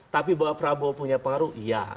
tapi bahwa prabowo punya pengaruh iya